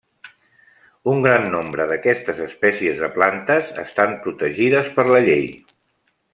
Un gran nombre d'aquestes espècies de plantes estan protegides per la llei.